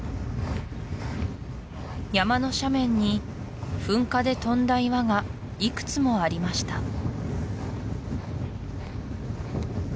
山の斜面に噴火で飛んだ岩がいくつもありました